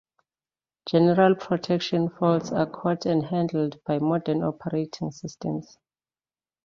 General protection faults are caught and handled by modern operating systems.